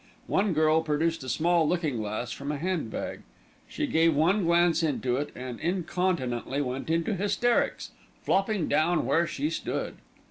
One girl produced a small looking glass from a hand bag. She gave one glance into it, and incontinently went into hysterics, flopping down where she stood.